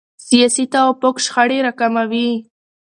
سیاسي توافق شخړې راکموي